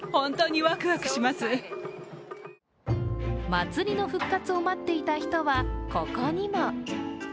祭りの復活を待っていた人はここにも。